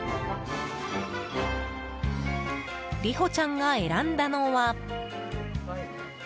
りほちゃんが選んだのは。